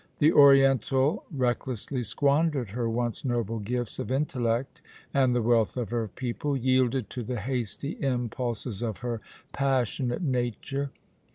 The Oriental recklessly squandered her once noble gifts of intellect and the wealth of her people, yielded to the hasty impulses of her passionate nature.'